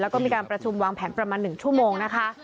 แล้วก็มีการประชุมวางแผนประมาณ๑ชั่วโมงนะคะ